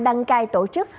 đăng cai tổ chức